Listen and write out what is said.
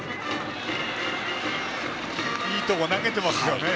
いいところ投げていますね。